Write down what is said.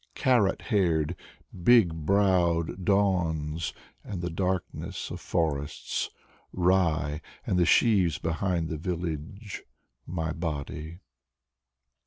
Carrot h&ired Big browed dawns, And the darkness of forests, Rye, And the sheaves behind the village, My body.